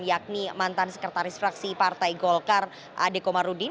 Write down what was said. yakni mantan sekretaris fraksi partai golkar adekomarudin